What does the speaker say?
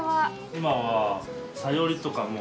今はサヨリとかも。